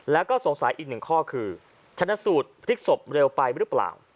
แล้วก็สงสัยอีกหนึ่งข้อคือชนะสูตรพลิกศพเร็วไปหรือเปล่า